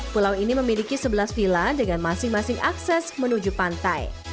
pulau ini memiliki sebelas villa dengan masing masing akses menuju pantai